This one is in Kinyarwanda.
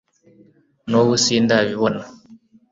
nubu sindabibona